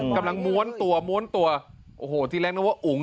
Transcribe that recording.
ม้วนตัวม้วนตัวโอ้โหที่แรกนึกว่าอุ๋ง